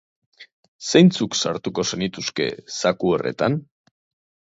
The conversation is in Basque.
Zeintzuk sartuko zenituzke zaku horretan?